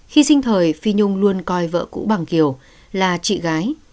khi sinh thời phi nhung luôn coi vợ cũ bằng kiều là chị gái